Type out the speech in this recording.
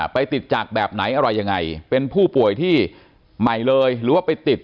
ไปติดจากแบบไหนอะไรยังไงเป็นผู้ป่วยที่ใหม่เลยหรือว่าไปติด